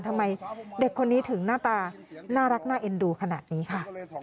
ทำไมเด็กคนนี้ถึงหน้าตาน่ารักน่าเอ็นดูขนาดนี้ค่ะ